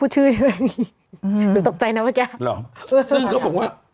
สูญเรียกนี้ดูตกใจนะเมืองเกียร์